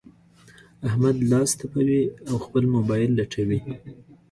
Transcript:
احمد لاس تپوي؛ او خپل مبايل لټوي.